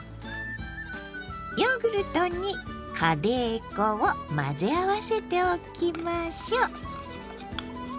ヨーグルトにカレー粉を混ぜ合わせておきましょう。